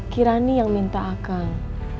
kirani yang minta akang